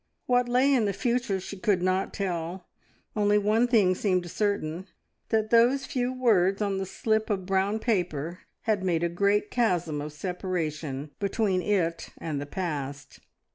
What lay in the future she could not tell; only one thing seemed certain, that those few words on the slip of brown paper had made a great chasm of separation between it and the past.